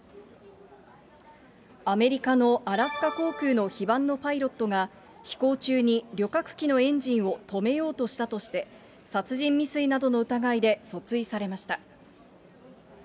アメリカのアラスカ航空の非番のパイロットが、飛行中に旅客機のエンジンを止めようとしたとして、殺人未遂などの疑いで訴追されました。